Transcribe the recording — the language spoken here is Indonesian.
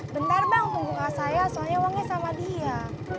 bentar bang tunggu kak saya soalnya uangnya sama dia